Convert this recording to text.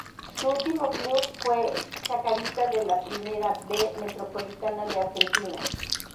Su último club fue Chacarita de la Primera B Metropolitana de Argentina.